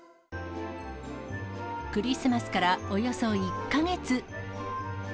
クリスマスからおよそ１か月。